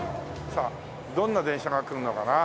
さあどんな電車が来るのかな？